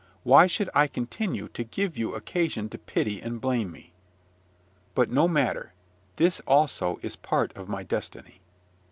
Why should I continue to give you occasion to pity and blame me? But no matter: this also is part of my destiny.